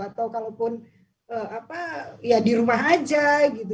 atau kalau pun apa ya di rumah aja gitu